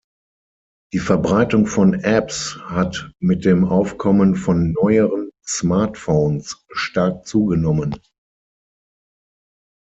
Die Verbreitung von Apps hat mit dem Aufkommen von neueren Smartphones stark zugenommen.